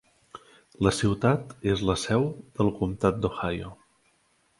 La ciutat és la seu del comptat d'Ohio.